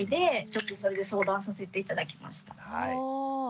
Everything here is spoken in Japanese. ちょっとそれで相談させて頂きました。